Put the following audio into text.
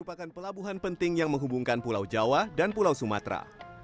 merupakan pelabuhan penting yang menghubungkan pulau jawa dan pulau sumatera